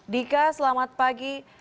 dika selamat pagi